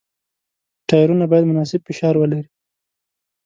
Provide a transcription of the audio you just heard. ټایرونه باید مناسب فشار ولري.